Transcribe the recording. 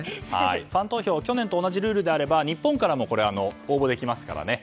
ファン投票去年と同じルールであれば日本からも応募できますからね。